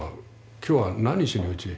今日は何しにうちへ？